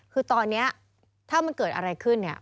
คือตอนนี้ถ้ามันเกิดอะไรขึ้นเนี่ย